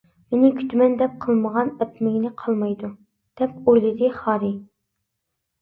مېنى كۈتىمەن دەپ قىلمىغان-ئەتمىگىنى قالمايدۇ، دەپ ئويلىدى خارى.